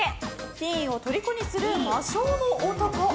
ティーンをとりこにする魔性の男。